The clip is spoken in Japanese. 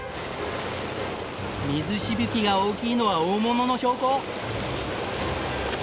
水しぶきが大きいのは大物の証拠！